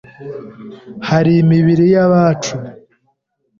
Hari imibiri y'abacu